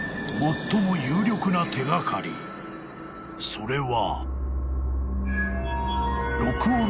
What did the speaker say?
［それは］